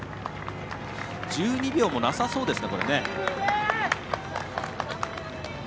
１２秒もなさそうですね。